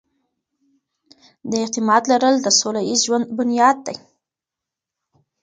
د اعتماد لرل د سوله ييز ژوند بنياد دی.